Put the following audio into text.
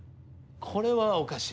これはおかしい。